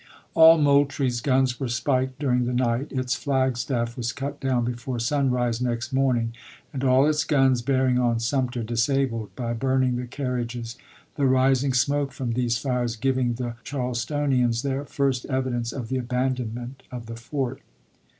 All Moultrie's guns were spiked dur U2,an<ki«. ing the night, its flag staff was cut down before sunrise next morning, and all its guns bearing on Sumter disabled by burning the carriages, the rising smoke from these fires giving the Charlestonians their first evidence of the abandonment of the fort.